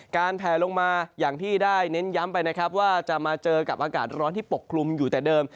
แผลลงมาอย่างที่ได้เน้นย้ำไปนะครับว่าจะมาเจอกับอากาศร้อนที่ปกคลุมอยู่แต่เดิม